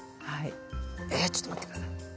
えちょっと待って下さい。